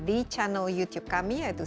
di channel youtube kami yaitu